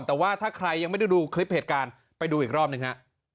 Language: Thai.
แต่ว่าถ้าใครยังไม่ได้ดูคลิปเหตุการณ์ไปดูอีกรอบหนึ่งฮะ